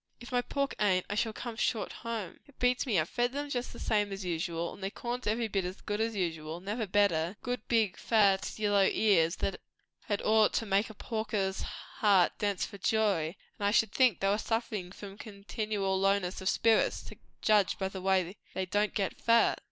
"If my pork ain't, I shall come short home. It beats me! I've fed 'em just the same as usual, and the corn's every bit as good as usual, never better; good big fat yellow ears, that had ought to make a porker's heart dance for joy; and I should think they were sufferin' from continual lowness o' spirits, to judge by the way they don't get fat.